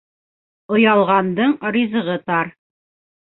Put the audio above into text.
Оялғандың ризығы тар.